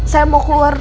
saya mau keluar